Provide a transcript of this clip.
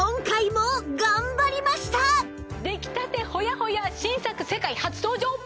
出来たてホヤホヤ新作世界初登場！